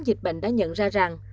dịch bệnh đã nhận ra rằng